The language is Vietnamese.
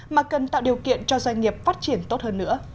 mà cần tạo điều kiện cho doanh nghiệp phát triển tốt hơn nữa